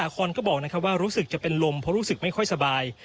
ขอบคุณครับ